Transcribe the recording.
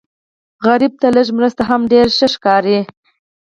سوالګر ته لږ مرسته هم ډېره ښکاري